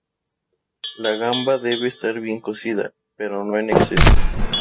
La gamba debe estar bien cocida, pero no en exceso.